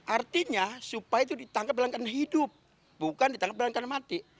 artinya supaya itu ditangkap berlangganan hidup bukan ditangkap berlangganan mati